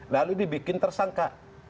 lalu dibikin tersangka